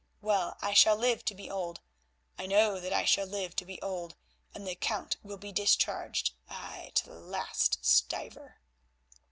Well, I shall live to be old, I know that I shall live to be old, and the count will be discharged, ay, to the last stiver."